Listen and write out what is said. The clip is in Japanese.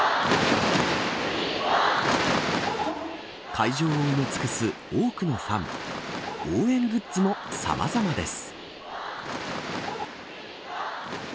会場を埋め尽くす多くのファン応援グッズもさまざまです。